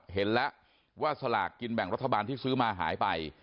เห็นแล้วว่าสลากกินแบ่งรัฐบาลที่ซื้อมาหายไป